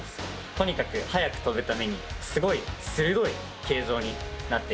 とにかく速く飛ぶためにすごい鋭い形状になっているんですね。